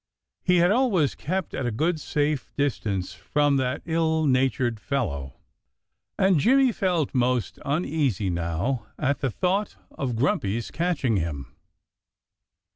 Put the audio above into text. He had always kept at a good safe distance from that ill natured fellow. And Jimmy felt most uneasy now at the thought of Grumpy's catching him.